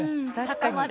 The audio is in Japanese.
確かに。